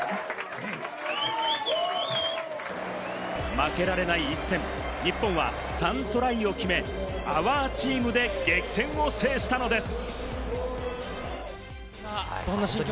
負けられない一戦、日本は３トライを決め、「ＯｕｒＴｅａｍ」で激戦を制したのです。